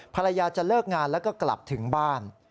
ภรรยาจะเลิกงานแล้วก็กลับถึงบ้าน